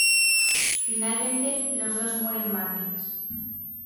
Finalmente los dos mueren mártires.